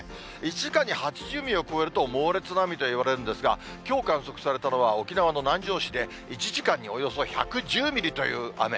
１時間に８０ミリを超えると猛烈な雨といわれるんですが、きょう観測されたのは、沖縄の南城市で１時間におよそ１１０ミリという雨。